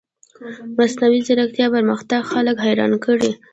د مصنوعي ځیرکتیا پرمختګ خلک حیران کړي.